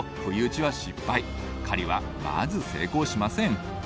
狩りはまず成功しません。